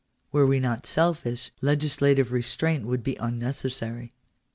Were we not selfish, legislative restraint would be unnecessary.